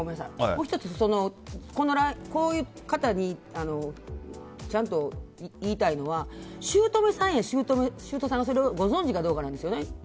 もう１つ、こういう方にちゃんと言いたいのはしゅうとめさんやしゅうとさんが、それをご存じかどうかなんですよね。